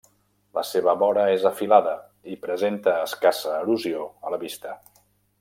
La seva vora és afilada i presenta escassa erosió a la vista.